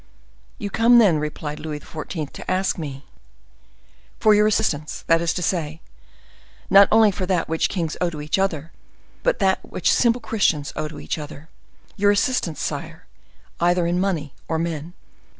"You come, then," replied Louis XIV., "to ask me—" "For your assistance; that is to say, not only for that which kings owe to each other, but that which simple Christians owe to each other—your assistance, sire, either in money or men.